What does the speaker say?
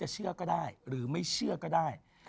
เชื่อก็ได้หรือไม่เชื่อก็ได้